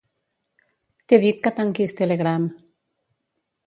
T'he dit que tanquis Telegram.